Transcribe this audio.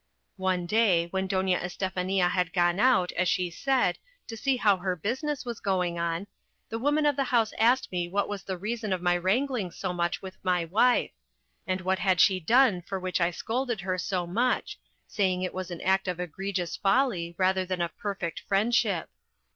One day, when Doña Estefania had gone out, as she said, to see how her business was going on, the woman of the house asked me what was the reason of my wrangling so much with my wife, and what had she done for which I scolded her so much, saying it was an act of egregious folly rather than of perfect friendship.